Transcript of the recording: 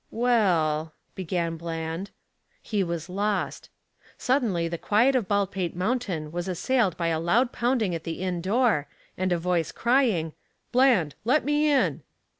"Well, " began Bland. He was lost. Suddenly the quiet of Baldpate Mountain was assailed by a loud pounding at the inn door, and a voice crying, "Bland. Let me in."